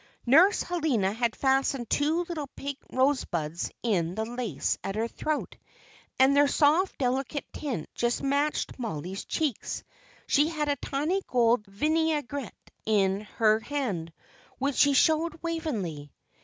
Nurse Helena had fastened two little pink rosebuds in the lace at her throat, and their soft, delicate tint just matched Mollie's cheeks; she had a tiny gold vinaigrette in her hand, which she showed Waveney.